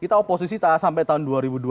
kita oposisi sampai tahun dua ribu dua puluh